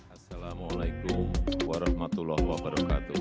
assalamualaikum warahmatullahi wabarakatuh